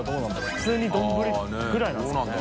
普通に丼ぐらいなんですかね。